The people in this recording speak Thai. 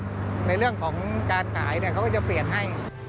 และมีความรับผิดชอบในเรื่องของการขายเนี่ยเขาก็จะเปลี่ยนให้